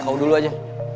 kau dulu aja